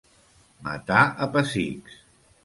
Matar a pessics.